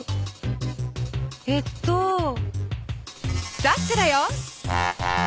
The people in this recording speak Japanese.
えっとザックだよ！